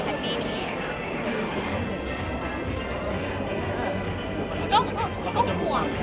หรือมายุ่งมะเป็นระบบกัน